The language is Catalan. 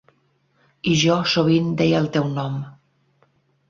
I jo sovint deia el teu nom.